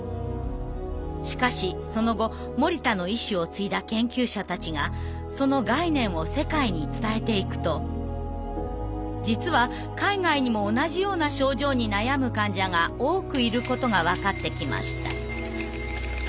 しかしその後森田の意志を継いだ研究者たちがその概念を世界に伝えていくと実は海外にも同じような症状に悩む患者が多くいることが分かってきました。